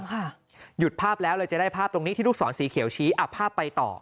หยุดภาพแล้วเลยจะได้ภาพตรงนี้ที่ลูกศรสีเขียวชี้อับภาพไปต่อ